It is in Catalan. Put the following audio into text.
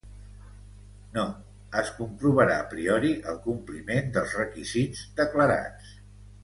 No, es comprovarà a priori el compliment dels requisits declarats.